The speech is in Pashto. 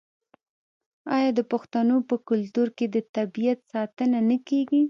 آیا د پښتنو په کلتور کې د طبیعت ساتنه نه کیږي؟